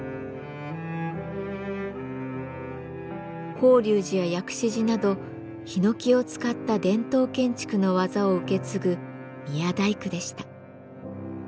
法隆寺や薬師寺などひのきを使った伝統建築の技を受け継ぐ宮大工でした。